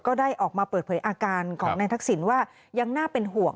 ก็ได้ออกมาเปิดเผยอาการของนายทักษิณว่ายังน่าเป็นห่วง